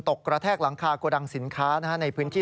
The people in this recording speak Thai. กระแทกหลังคาโกดังสินค้าในพื้นที่